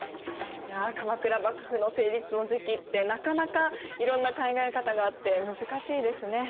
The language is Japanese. いや鎌倉幕府の成立の時期ってなかなかいろんな考え方があって難しいですね。